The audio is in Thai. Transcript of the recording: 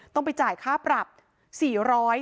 ต้องไปจ่ายค่าปรับ๔๐๐บาท